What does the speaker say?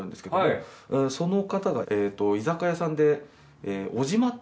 その方が居酒屋さんで。